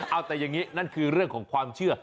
เอาแต่อย่างนี้นั่นคือเรื่องของความเชื่อ